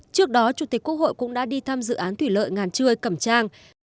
trước đó chủ tịch quốc hội cũng đã đi thăm dự án thủy lợi ngàn trưa cầm trang